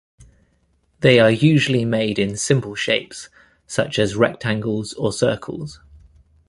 They are usually made in simple shapes, such as rectangles or circles.